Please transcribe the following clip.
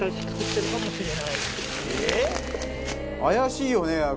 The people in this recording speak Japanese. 怪しいよね